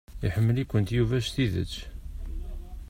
Iḥemmel-ikent Yuba s tidet.